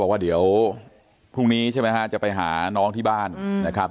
ว่าเดี๋ยวพรุ่งนี้ใช่ไหมฮะจะไปหาน้องที่บ้านนะครับ